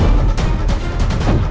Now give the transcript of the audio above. aku akan menang